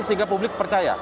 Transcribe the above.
sehingga publik percaya